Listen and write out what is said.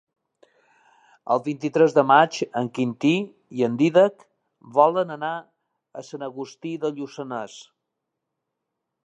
El vint-i-tres de maig en Quintí i en Dídac volen anar a Sant Agustí de Lluçanès.